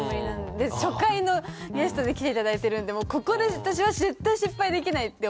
で初回のゲストで来て頂いているのでここで私は絶対失敗できないって思ってて。